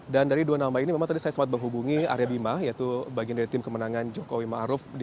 dan dari dua nama ini memang tadi saya sempat menghubungi arya bima yaitu bagian dari tim kemenangan jokowi ma'ruf